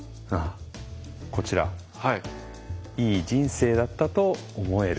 こちら「いい人生だったと思える」。